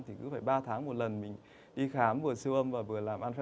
thì cứ phải ba tháng một lần mình đi khám vừa siêu âm và vừa làm an năm p